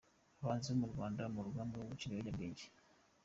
Abahanzi bo mu Rwanda mu rugamba rwo guca ibiyobyabwenge